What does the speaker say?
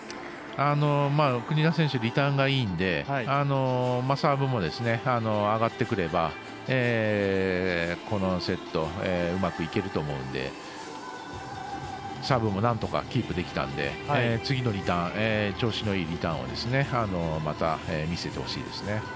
国枝選手リターンがいいのでサーブも上がってくればこのセットうまくいけると思うんでサーブもなんとかキープできたので次のリターン調子のいいリターンをまた見せてほしいですね。